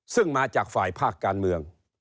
ซึ่งมาจากฝ่ายภาคการเมือง